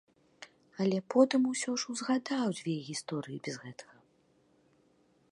Але потым усё ж узгадаў дзве гісторыі без гэтага.